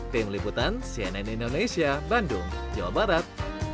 tim liputan cnn indonesia bandung jawa barat